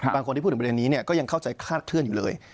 บางคนที่พูดถึงประเด็นนี้ก็ยังเข้าใจคาดเคลื่อนอยู่เลย